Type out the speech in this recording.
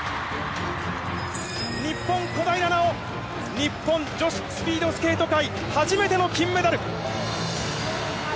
日本、小平奈緒日本女子スピードスケート界初めての金メダル！